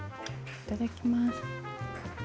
いただきます。